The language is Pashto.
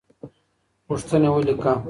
پوښتنې ولیکه.